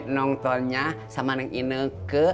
nontonnya sama neng ineke